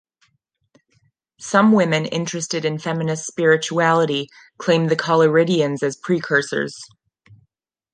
Some women interested in feminist spirituality claim the Collyridians as precursors.